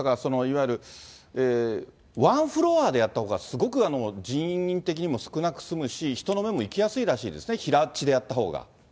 大阪、ワンフロアでやったほうがすごく人員的にも少なく済むし、人の目もいきやすいらしいですね、平地でやったほうが。